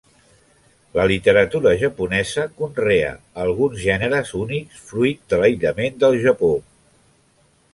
La literatura japonesa conrea alguns gèneres únics fruit de l'aïllament del Japó.